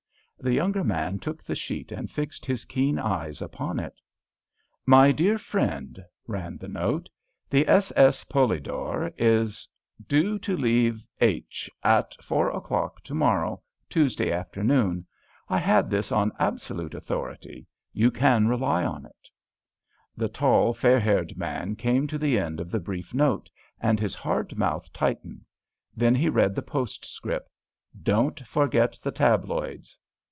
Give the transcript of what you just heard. The younger man took the sheet and fixed his keen eyes upon it. "My dear Friend," ran the note, "_the s.s. 'Polidor' is due to leave H—— at four o'clock to morrow, Tuesday afternoon. I had this on absolute authority; you can rely on it._" The tall, fair haired man came to the end of the brief note, and his hard mouth tightened; then he read the postscript: "_Don't forget the tabloids!